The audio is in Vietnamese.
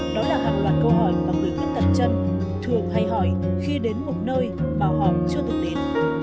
đó là hàng loạt câu hỏi mà người khuyết tật chân thường hay hỏi khi đến một nơi mà họ chưa từng đến